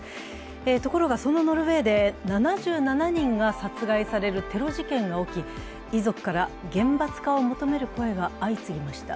ところが、そのノルウェーで７７人が殺害されるテロ事件が起き、遺族から厳罰化を求める声が相次ぎました。